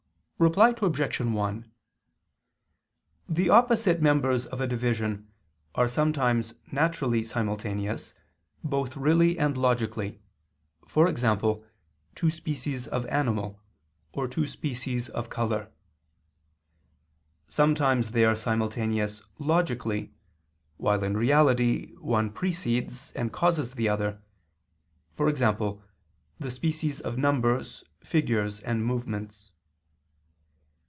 Reply Obj. 1: The opposite members of a division are sometimes naturally simultaneous, both really and logically; e.g. two species of animal, or two species of color. Sometimes they are simultaneous logically, while, in reality, one precedes, and causes the other; e.g. the species of numbers, figures and movements.